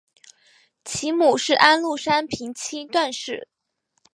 其母是安禄山平妻段氏。